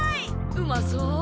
うまそう。